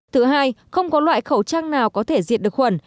thứ hai không có loại khẩu trang nào có thể diệt được khuẩn